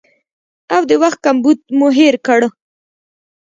او د وخت کمبود مو هېر کړ